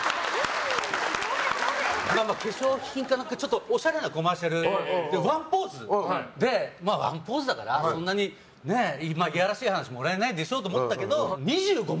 化粧品かなんかおしゃれなコマーシャルでワンポーズでワンポーズだからそんなにいやらしい話もらえないでしょと思ったけど２５万